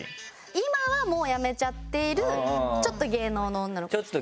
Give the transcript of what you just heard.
今はもう辞めちゃっているちょっと芸能の女の子でした。